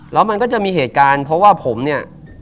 แล้วมันก็จะมีเหตุการณ์เพราะว่าผมเนี่ย